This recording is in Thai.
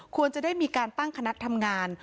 ควรจะได้มีการตั้งคณะทำงาน